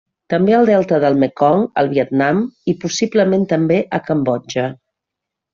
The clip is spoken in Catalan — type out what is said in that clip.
També al delta del Mekong al Vietnam i, possiblement també, a Cambodja.